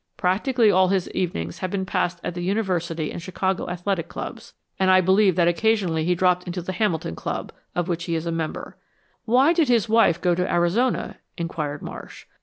Practically all his evenings have been passed at the University and Chicago Athletic Clubs, and I believe that occasionally he dropped into the Hamilton Club, of which he is a member." "Why did his wife go to Arizona?" inquired Marsh.